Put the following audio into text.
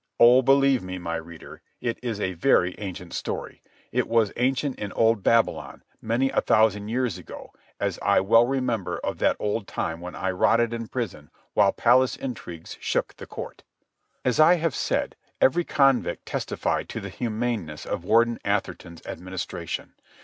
Oh, believe me, my reader, it is a very ancient story. It was ancient in old Babylon, many a thousand years ago, as I well remember of that old time when I rotted in prison while palace intrigues shook the court. As I have said, every convict testified to the humaneness of Warden Atherton's administration.